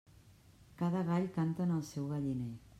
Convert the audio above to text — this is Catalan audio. Cada gall canta en el seu galliner.